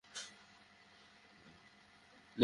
আমি গিয়ে কিছুটা সময় বের করার চেষ্টা করি।